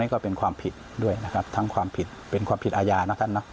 ก็เป็นความผิดด้วยนะครับทั้งความผิดเป็นความผิดอาญานะท่านนะ